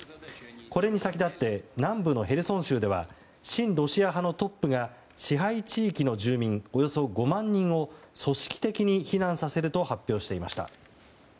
これに先立って南部のヘルソン州では親ロシア派のトップが支配地域の住民およそ５万人を、組織的に避難させると発表しました。